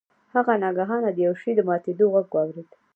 هغه ناگهانه د یو شي د ماتیدو غږ واورید.